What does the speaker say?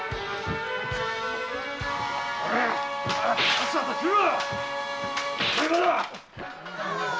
さっさとしろ！